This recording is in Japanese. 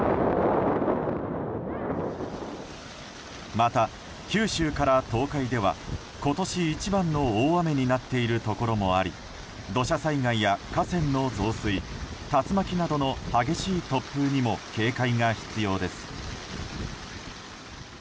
また、九州から東海では今年一番の大雨になっているところもあり土砂災害や河川の増水竜巻などの激しい突風にも警戒が必要です。